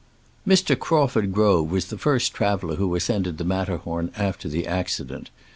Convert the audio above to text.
Mr. Craufuro Grovk was the first traveler who ascended the Matterhorn after the accident.